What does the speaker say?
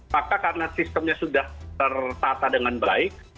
maka karena sistemnya sudah tertata dengan baik